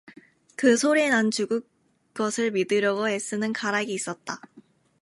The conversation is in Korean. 그 소리엔 안 죽은 것을 믿으려고 애쓰는 가락이 있었다.